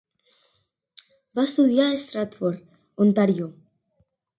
Va estudiar a Stratford, Ontario.